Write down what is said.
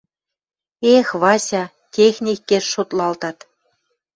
«Эх, Вася, техникеш шотлалтат